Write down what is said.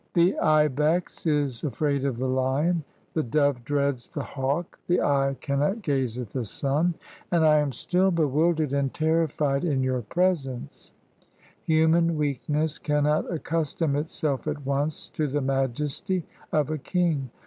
"The ibex is afraid of the lion, the dove dreads the hawk, the eye camiot gaze at the sun, and I am still 143 EGYPT bewildered and terrified in your presence ; human weak ness cannot accustom itself at once to the majesty of a king.